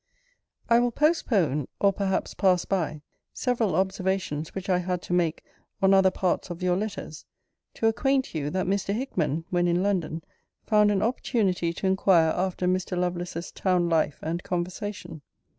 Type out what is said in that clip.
I will postpone, or perhaps pass by, several observations which I had to make on other parts of your letters; to acquaint you, that Mr. Hickman, when in London, found an opportunity to inquire after Mr. Lovelace's town life and conversation.